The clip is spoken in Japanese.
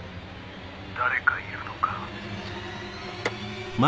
「誰かいるのか？」